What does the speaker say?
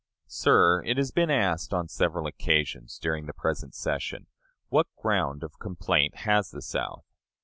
Sir, it has been asked on several occasions during the present session, What ground of complaint has the South?